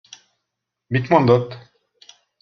Mit mondott?